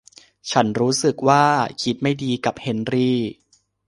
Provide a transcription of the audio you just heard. ฉันรู้สึกว่าคิดไม่ดีกับเฮนรี่